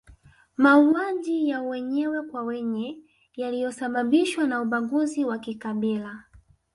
Mauaji ya wenyewe kwa wenye yaliyosababishwa na ubaguzi wa kikabila